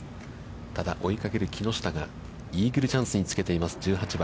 ただ、追いかける木下が、イーグルチャンスにつけています、１８番。